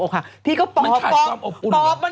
หาให้เห็น